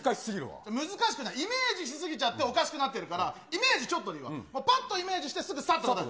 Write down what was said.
難しくない、イメージし過ぎちゃっておかしくなってるから、イメージちょっとでいいわ、ぱっとイメージして、さっと出す。